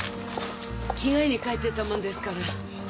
着替えに帰ってたものですから。